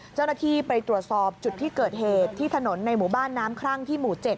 เจ้าหน้าที่ไปตรวจสอบจุดที่เกิดเหตุที่ถนนในหมู่บ้านน้ำครั่งที่หมู่๗